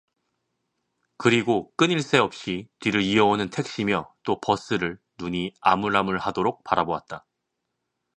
그리고 끊일 새 없이 뒤를 이어오는 택시며 또 버스를 눈이 아물아물하도록 바라보았다.